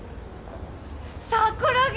桜木！